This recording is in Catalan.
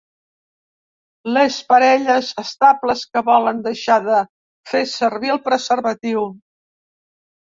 Les parelles estables que volen deixar de fer servir el preservatiu.